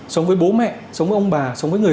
sống với bố mẹ sống với ông bà sống với người